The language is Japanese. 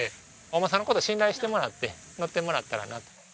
お馬さんの事信頼してもらって乗ってもらったらなと。